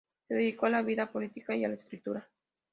Se dedicó a la vida política y la escritura.